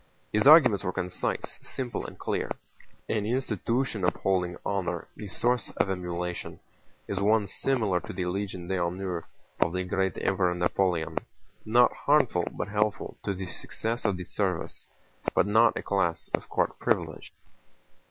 His arguments were concise, simple, and clear. "An institution upholding honor, the source of emulation, is one similar to the Légion d'honneur of the great Emperor Napoleon, not harmful but helpful to the success of the service, but not a class or court privilege."